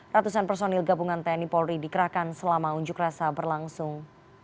ratusan personil gabungan tni polri dikerahkan selama unjuk rasa berlangsung